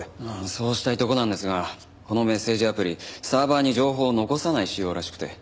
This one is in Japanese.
そうしたいとこなんですがこのメッセージアプリサーバーに情報を残さない仕様らしくて。